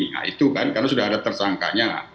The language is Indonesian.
nah itu kan karena sudah ada tersangkanya